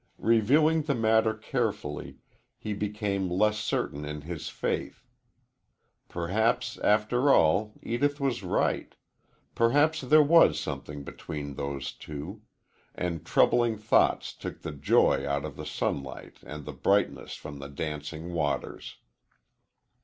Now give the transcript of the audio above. Reviewing the matter carefully, he became less certain in his faith. Perhaps, after all, Edith was right perhaps there was something between those two; and troubling thoughts took the joy out of the sunlight and the brightness from the dancing waters.